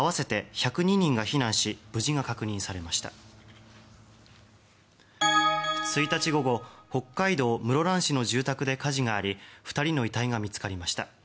１日午後北海道室蘭市の住宅で火事があり２人の遺体が見つかりました。